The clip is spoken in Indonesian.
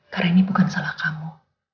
karena ini bukan salah kamu